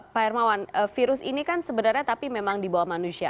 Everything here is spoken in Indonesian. pak hermawan virus ini kan sebenarnya tapi memang di bawah manusia